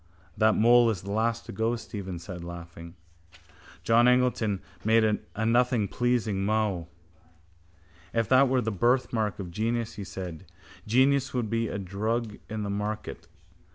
—That mole is the last to go, Stephen said, laughing. John Eglinton made a nothing pleasing mow. —If that were the birthmark of genius, he said, genius would be a drug in the market.